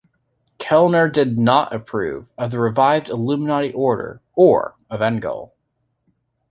Kellner did not approve of the revived Illuminati Order or of Engel.